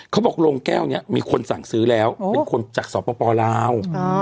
เขาบอกโรงแก้วเนี้ยมีคนสั่งซื้อแล้วโอ้เป็นคนจากสปลาวอ๋อ